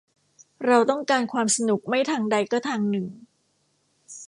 เราต้องการความสนุกไม่ทางใดก็ทางหนึ่ง